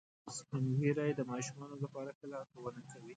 سپین ږیری د ماشومانو لپاره ښه لارښوونه کوي